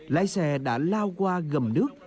lái xe đã lao qua gầm nước